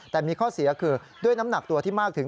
แต่มีข้อเสียคือด้วยน้ำหนักตัวที่มากถึง